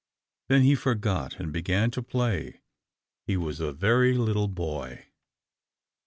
Then he forgot, and began to play. He was a very little boy.